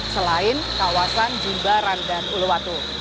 selain kawasan jimbaran dan uluwatu